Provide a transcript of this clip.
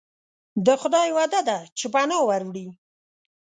د خدای وعده ده چې پناه وروړي.